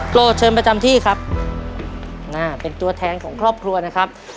เชิญประจำที่ครับอ่าเป็นตัวแทนของครอบครัวนะครับ